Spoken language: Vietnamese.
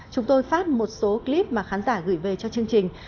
chúng tôi phát một số clip mà khán giả gửi về cho chương trình